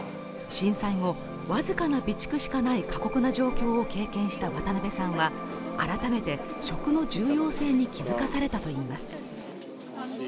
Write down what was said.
震災後わずかな備蓄しかない過酷な状況を経験した渡辺さんは改めて食の重要性に気付かされたといいます